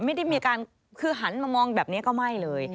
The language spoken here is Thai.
ไม่ได้มีอาการคือหันมามองแบบนี้ก็ไม่เลย